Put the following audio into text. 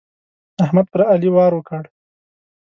احمد پر علي وار وکړ.